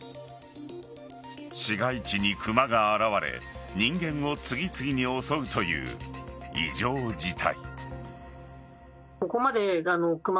市街地にクマが現れ人間を次々に襲うという異常事態。